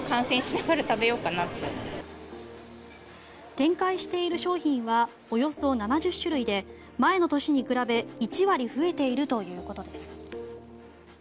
展開している商品はおよそ７０種類で前の年に比べ１割増えているということです。